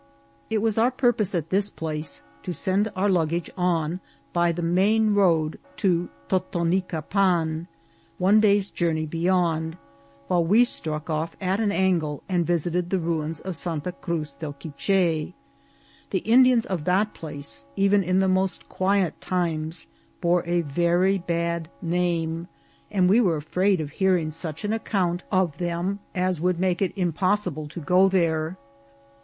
It was our purpose at this place to send our luggage on by the main road to Totonicapan, one day's journey beyond, while we struck off at an angle and visited the ruins of Santa Cruz del Quiche. The Indians of that place, even in the most quiet times, bore a very bad name, and we were afraid of hearing such an account 166 INCIDENTS OF TRAVEL. <•£ them as would make it impossible to go there.